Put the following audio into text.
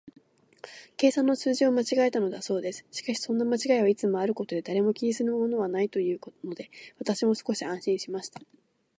計算の数字を間違えたのだそうです。しかし、そんな間違いはいつもあることで、誰も気にするものはないというので、私も少し安心しました。